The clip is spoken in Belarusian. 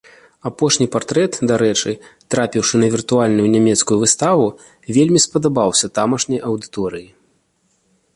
Апошні партрэт, дарэчы, трапіўшы на віртуальную нямецкую выставу, вельмі спадабаўся тамашняй аўдыторыі.